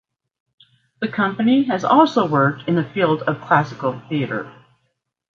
The company has also worked in the field of classical theatre.